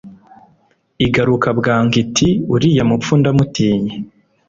igaruka bwangu iti «uriya mupfu ndamutinye